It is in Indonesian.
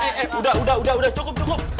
eh eh udah udah udah cukup cukup